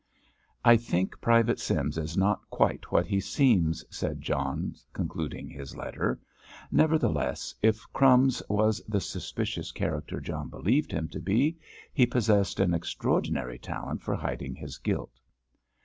"I think Private Sims is not quite what he seems," said John, concluding his letter. Nevertheless, if "Crumbs" was the suspicious character John believed him to be, he possessed an extraordinary talent for hiding his guilt.